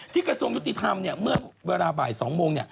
กระทรวงยุติธรรมเมื่อเวลาบ่าย๒โมง